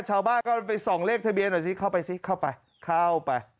ชาวบ้านก็ไปส่องเลขทะเบียนหน่อยสิเข้าไปสิเข้าไปเข้าไป